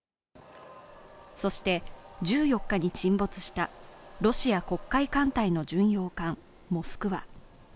そして１４日に沈没したロシア黒海艦隊の巡洋艦「モスクワ」。